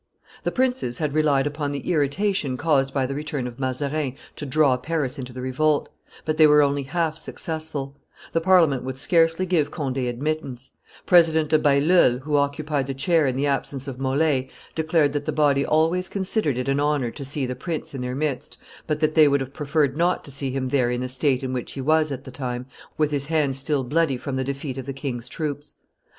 The princes had relied upon the irritation caused by the return of Mazarin to draw Paris into the revolt, but they were only half successful; the Parliament would scarcely give Conde admittance; President de Bailleul, who occupied the chair in the absence of Mole, declared that the body always considered it an honor to see the prince in their midst, but that they would have preferred not to see him there in the state in which he was at the time, with his hands still bloody from the defeat of the king's troops.